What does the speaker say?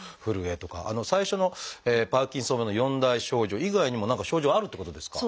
最初のパーキンソン病の４大症状以外にも何か症状あるってことですか？